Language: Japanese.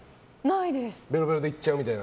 ベロベロで行っちゃうみたいな。